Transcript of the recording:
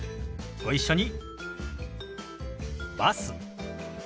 ご一緒に。